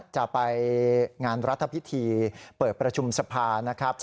จะไปงานรัฐพิธีเปิดประชุมสภานะครับ